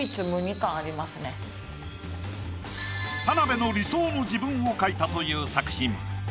田辺の理想の自分を描いたという作品。